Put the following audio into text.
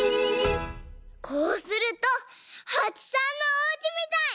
こうするとはちさんのおうちみたい！